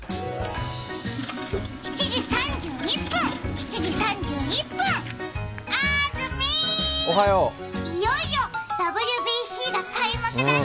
７時３１分、安住、いよいよＷＢＣが開幕だね。